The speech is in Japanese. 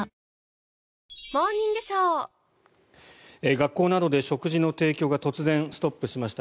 学校などで食事の提供が突然ストップしました。